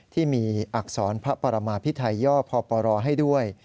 ที่มีอักษรพระปรมาพิไทยย่อพปรให้ด้วย